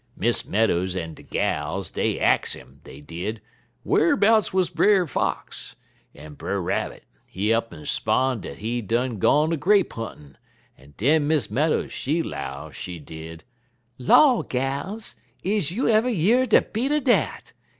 "Miss Meadows en de gals, dey ax 'im, dey did, wharbouts wuz Brer Fox, en Brer Rabbit, he up'n 'spon' dat he done gone a grape huntin', en den Miss Meadows, she 'low, she did: "'Law, gals! is you ever year de beat er dat?